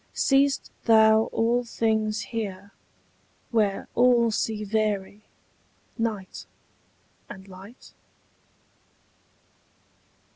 Seest thou all things here, where all see vary Night and light?